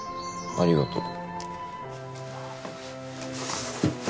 ありがとう